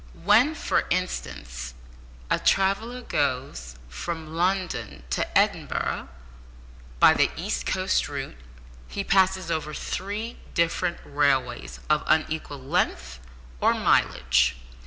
When, for instance, a traveller goes from London to Edinburgh by the East Coast route, he passes over three different railways of unequal length, or mileage.